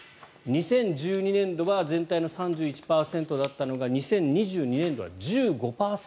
２０１２年度は全体の３１％だったのが２０２２年度は１５％。